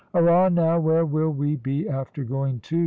"Arrah, now, where will we be after going to?"